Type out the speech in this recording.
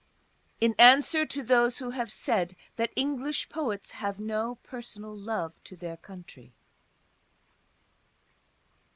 In answer to those who have said that English Poets give no personal love to their country.